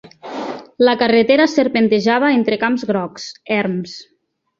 La carretera serpentejava entre camps grocs, erms